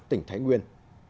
tỉnh thái nguyên